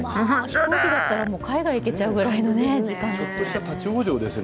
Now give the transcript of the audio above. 飛行機だったら海外に行けちゃうくらいの時間。